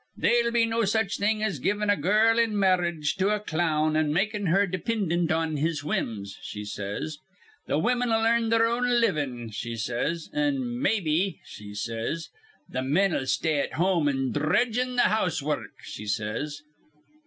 'They'll be no such thing as givin' a girl in marredge to a clown an' makin' her dipindant on his whims,' she says. 'Th' women'll earn their own livin',' she says; 'an' mebbe,' she says, 'th' men'll stay at home an' dredge in th' house wurruk,' she says.